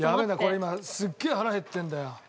今すっげえ腹減ってるんだよ。